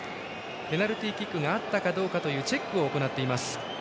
ペナルティーキックがあったかどうかというチェックを行っています。